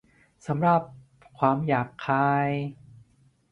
สำหรับ ความหยาบคาย ?